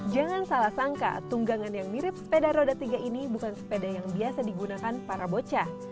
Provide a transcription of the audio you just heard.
jangan salah sangka tunggangan yang mirip sepeda roda tiga ini bukan sepeda yang biasa digunakan para bocah